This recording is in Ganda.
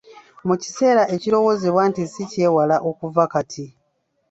Mu kiseera ekirowoozebwa nti ssi kyewala okuva kati.